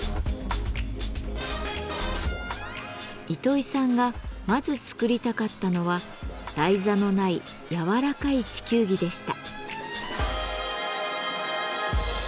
糸井さんがまず作りたかったのは台座のないやわらかい地球儀でした。